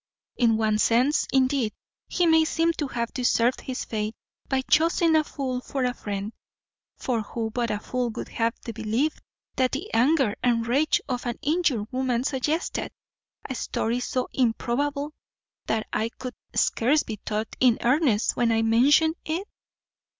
In one sense, indeed, he may seem to have deserved his fate, by chusing a fool for a friend; for who but a fool would have believed what the anger and rage of an injured woman suggested; a story so improbable, that I could scarce be thought in earnest when I mentioned it?